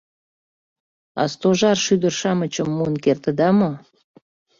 — А Стожар шӱдыр-шамычым муын кертыда мо?